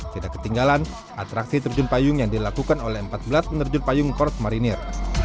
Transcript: tidak ketinggalan atraksi terjun payung yang dilakukan oleh empat belas penerjun payung korps marinir